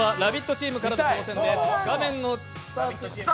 チームからの挑戦です。